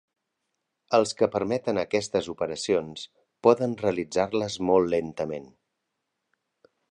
Els que permeten aquestes operacions poden realitzar-les molt lentament.